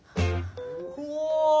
お。